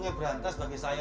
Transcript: dan memanfaatkan perusahaan